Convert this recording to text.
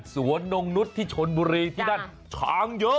นงนุษย์ที่ชนบุรีที่นั่นช้างเยอะ